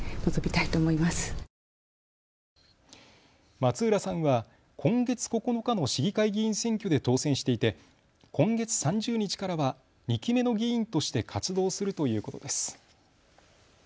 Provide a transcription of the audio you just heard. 松浦さんは今月９日の市議会議員選挙で当選していて今月３０日からは２期目の議員として活動するということです。